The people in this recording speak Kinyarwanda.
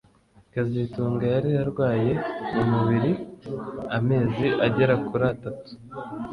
kazitunga yari arwaye mu buriri amezi agera kuri atatu